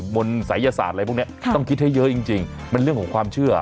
ศัยศาสตร์อะไรพวกนี้ต้องคิดให้เยอะจริงมันเรื่องของความเชื่อ